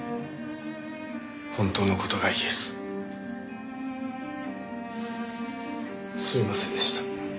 本当の事が言えずすいませんでした。